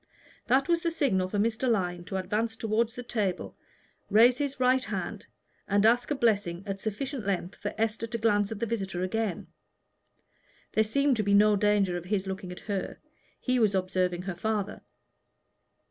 That was the signal for Mr. Lyon to advance toward the table, raise his right hand, and ask a blessing at sufficient length for Esther to glance at the visitor again. There seemed to be no danger of his looking at her: he was observing her father.